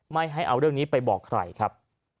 ไม่ให้เอาเรื่องนี้ไปบอกใครครับ